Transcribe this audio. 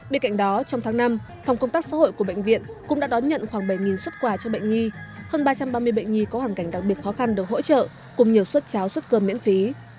bên cạnh đó trong tháng năm phòng công tác xã hội của bệnh viện cũng đã đón nhận khoảng bảy xuất quà cho bệnh nhi hơn ba trăm ba mươi bệnh nhi có hoàn cảnh đặc biệt khó khăn được hỗ trợ cùng nhiều xuất cháo xuất cơm miễn phí